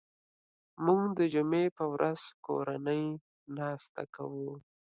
موږ د جمعې په ورځ کورنۍ ناسته کوو